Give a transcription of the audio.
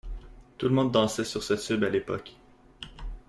Tout le monde dansait sur ce tube à l'époque.